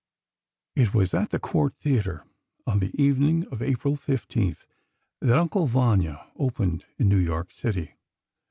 It was at the Cort Theatre, on the evening of April 15, that "Uncle Vanya" opened in New York City.